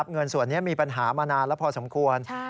เงินส่วนนี้มีปัญหามานานแล้วพอสมควร